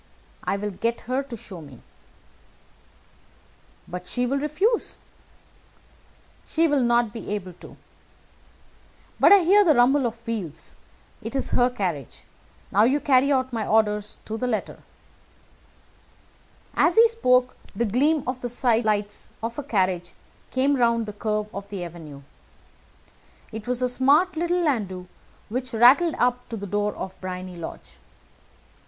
"I will get her to show me." "But she will refuse." "She will not be able to. But I hear the rumble of wheels. It is her carriage. Now carry out my orders to the letter." As he spoke, the gleam of the sidelights of a carriage came round the curve of the avenue. It was a smart little landau which rattled up to the door of Briony Lodge.